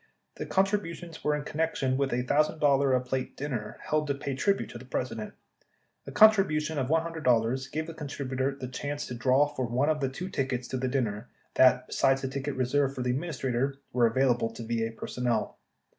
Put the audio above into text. The contributions were in connection with a $l,000 a plate dinner held to pay tribute to the President. A contribution of $100 gave the contributor the chance to draw for one of the two tickets to the din ner that, besides the ticket reserved for the Administrator, were avail able to VA personnel.